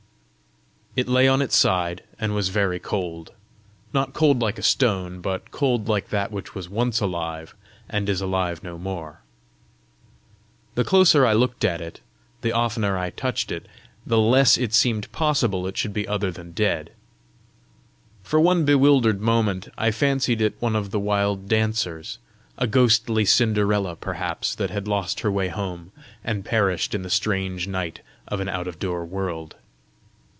It lay on its side, and was very cold not cold like a stone, but cold like that which was once alive, and is alive no more. The closer I looked at it, the oftener I touched it, the less it seemed possible it should be other than dead. For one bewildered moment, I fancied it one of the wild dancers, a ghostly Cinderella, perhaps, that had lost her way home, and perished in the strange night of an out of door world!